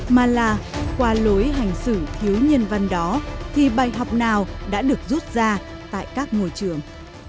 mà là qua lối hành xử thiếu nhân văn đó thì bài học nào đã được rút ra tại các ngôi trường